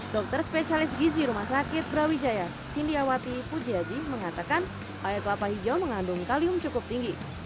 dokter spesialis gizi rumah sakit brawijaya sindiawati pujiaji mengatakan air kelapa hijau mengandung kalium cukup tinggi